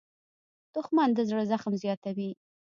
دښمن د زړه زخم زیاتوي